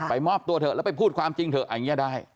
มอบตัวเถอะแล้วไปพูดความจริงเถอะอันนี้ได้